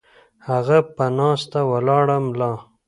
هغه پۀ ناسته ولاړه ملا